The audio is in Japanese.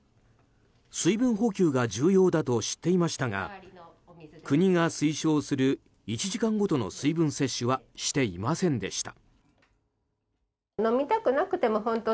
水分補給が重要だと知っていましたが国が推奨する１時間ごとの水分摂取はしていませんでした。